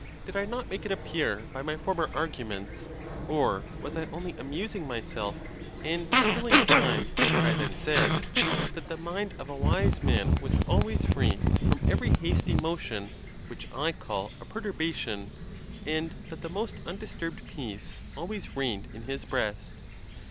did I not make it appear, by my former arguments—or was I only amusing myself and killing time in what I then said ? —that the mind of a wise man was always free from every hasty motion which I call a perturbation, and that the most undisturbed peace always reigned in his breast?